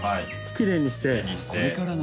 きれいにして。